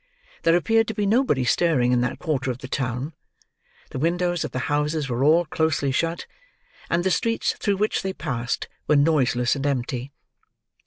There appeared to be nobody stirring in that quarter of the town; the windows of the houses were all closely shut; and the streets through which they passed, were noiseless and empty.